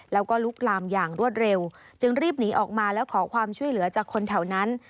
แล้วก็ลุกลามอย่างรวดเร็วจึงรีบหนีออกมาแล้วขอความช่วยเหลือจากคนแถวนั้น